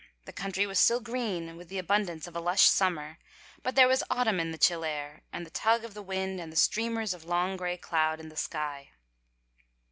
The country was still green with the abundance of a lush summer but there was autumn in the chill air and the tug of the wind and the streamers of long g^y cloud in the sky.